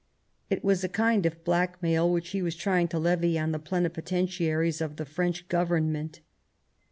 It was a kind of blackmail which he was trying to levy on the Plenipotentiaries of the French Government.